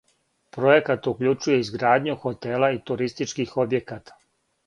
Пројекат укључује изградњу хотела и туристичких објеката.